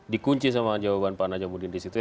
dikunci sama jawaban pak najwa mudin disitu